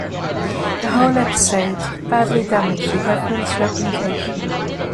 The whole episode badly damaged the government's reputation.